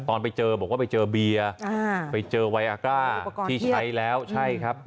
ตอนไปเจอบอกว่าไปเจอเบียร์ไปเจอไวอาก้าที่ใช้แล้วใช่ครับ